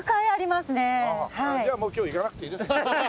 じゃあもう今日行かなくていいですね。